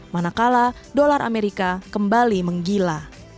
manakala dolar amerika kembali menggila